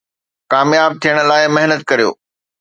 ڪامياب ٿيڻ لاءِ محنت ڪريو